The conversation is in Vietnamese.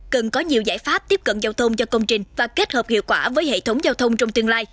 cần có nhiều giải pháp tiếp cận giao thông cho công trình và kết hợp hiệu quả với hệ thống giao thông trong tương lai